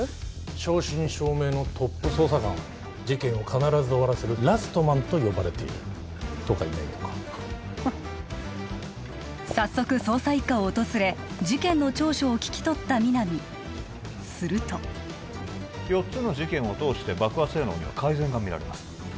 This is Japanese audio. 正真正銘のトップ捜査官事件を必ず終わらせる「ラストマン」と呼ばれているとかいないとかフンッはっ早速捜査一課を訪れ事件の調書を聞き取った皆実すると４つの事件を通して爆破性能には改善が見られます